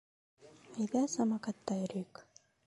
— Әйҙә, самокатта йөрөйөк.